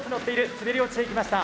滑り落ちていきました。